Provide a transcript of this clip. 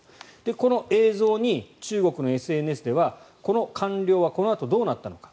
この映像に中国のＳＮＳではこの官僚はこのあとどうなったのか。